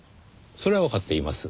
それはわかっています。